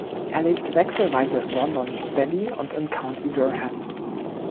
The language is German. Er lebt wechselweise in London, Berlin und im County Durham.